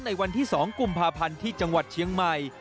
ในวันที่๒กุมภาพันธ์ที่จังหวัดเชียงใหม่